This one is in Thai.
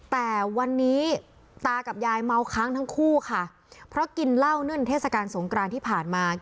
แต่วันนี้ตากับยายเมาค้างทั้งคู่ค่ะเพราะกินเหล้าเนื่องเทศกาลสงกรานที่ผ่านมา